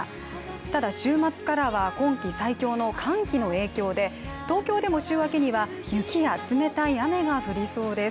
ただ、週末からは今季最強の寒気の影響で東京でも週明けには雪や冷たい雨が降りそうです。